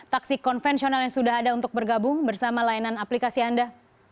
taksi konvensional yang sudah ada untuk bergabung bersama layanan aplikasi anda